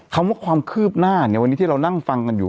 ความคืบหน้าเนี่ยวันนี้ที่เรานั่งฟังกันอยู่